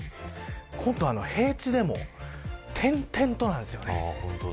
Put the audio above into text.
今度は平地でも点々となんです。